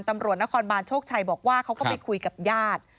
ตำรวจนครบานโชคชัยบอกว่าเขาก็ไปคุยกับญาติ